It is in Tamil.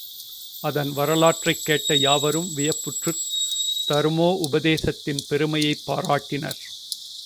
அதன் வரலாற்றைக் கேட்ட யாவரும் வியப்புற்றுத் தருமோபதேசத்தின் பெருமையைப் பாராட்டினர்.